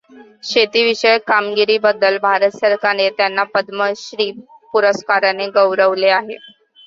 शेतीविषयक कामगिरीबद्दल भारत सरकारने त्यांना पद्मश्री पुरस्काराने गौरवले आहे.